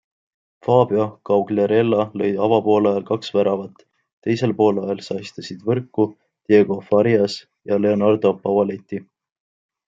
Fabio Quagliarella lõi avapoolajal kaks väravat, teisel poolajal sahistasid võrku Diego Farias ja Leonardo Pavoletti.